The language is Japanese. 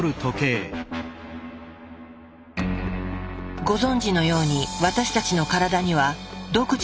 ご存じのように私たちの体には独自の時計が存在する。